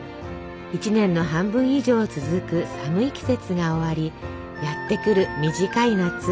１年の半分以上続く寒い季節が終わりやって来る短い夏。